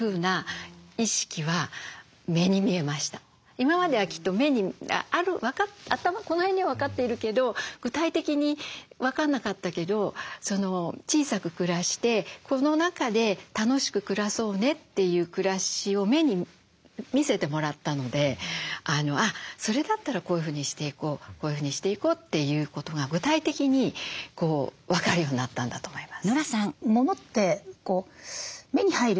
今まではきっとこの辺には分かっているけど具体的に分かんなかったけど小さく暮らしてこの中で楽しく暮らそうねという暮らしを目に見せてもらったのであっそれだったらこういうふうにしていこうこういうふうにしていこうということが具体的に分かるようになったんだと思います。